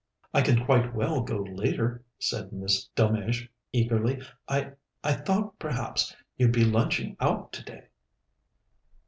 "I can quite well go later," said Miss Delmege eagerly. "I I thought perhaps you'd be lunching out today."